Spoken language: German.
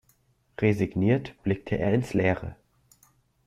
Resigniert blickte er ins Leere.